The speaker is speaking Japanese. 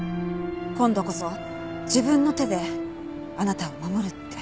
今度こそ自分の手であなたを守るって。